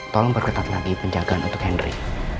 tolong berketat lagi penjagaan untuk henry